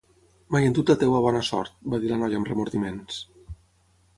"M'he endut la teva bona sort", va dir la noia amb remordiments.